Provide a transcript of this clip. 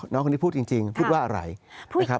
น้องคนนี้พูดจริงพูดว่าอะไรนะครับ